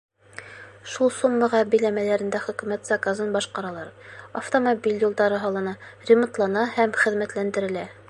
Шул суммаға биләмәләрендә Хөкүмәт заказын башҡаралар — автомобиль юлдары һалына, ремонтлана һәм хеҙмәтләндерелә.